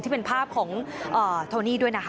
ที่เป็นภาพของโทนี่ด้วยนะคะ